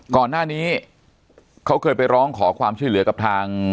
ก่อนหน้านี้เขาเคยไปร้องขอความช่วยเหลือกับทาง